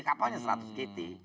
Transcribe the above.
kapalnya seratus gt